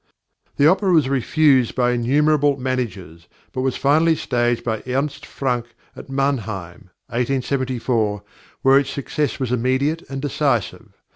The opera was refused by innumerable managers, but was finally staged by Ernst Frank at Mannheim, 1874, where its success was immediate and decisive.